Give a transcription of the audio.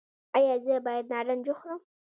ایا زه باید نارنج وخورم؟